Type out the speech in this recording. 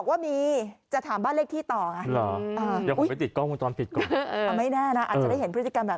ก็ไม่เห็นแล้วคุณยายยืนอยู่น่ะ